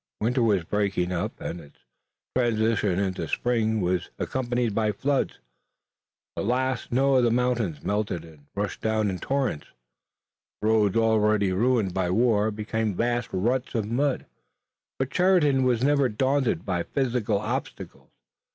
Winter was breaking up and its transition into spring was accompanied by floods. The last snow on the mountains melted and rushed down in torrents. The roads, already ruined by war, became vast ruts of mud, but Sheridan was never daunted by physical obstacles.